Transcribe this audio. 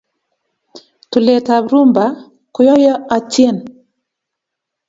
tulet ap rumba koyoyo atien